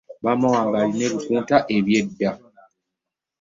Maama wange alina ebikunta eby'edda.